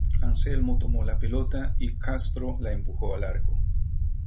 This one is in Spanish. Anselmo tomó la pelota y Castro la empujó al arco.